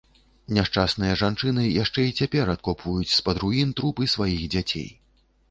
Няшчасныя жанчыны яшчэ і цяпер адкопваюць з-пад руін трупы сваіх дзяцей.